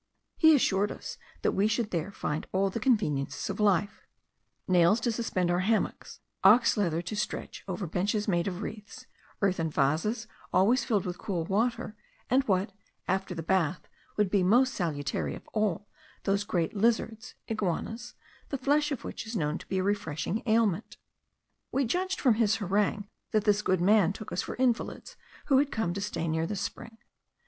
He assured us that we should there find all the conveniences of life; nails to suspend our hammocks, ox leather to stretch over benches made of reeds, earthern vases always filled with cool water, and what, after the bath, would be most salutary of all, those great lizards (iguanas), the flesh of which is known to be a refreshing aliment. We judged from his harangue, that this good man took us for invalids, who had come to stay near the spring.